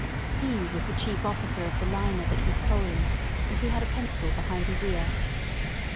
He was the chief officer of the liner that was coaling and he had a pencil behind his ear.